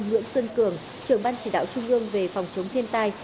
nguyễn xuân cường trưởng ban chỉ đạo trung ương về phòng chống thiên tai